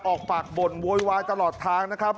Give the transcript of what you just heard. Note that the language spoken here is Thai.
ออกปากบ่นโวยวายตลอดทางนะครับ